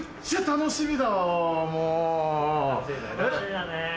楽しみだね。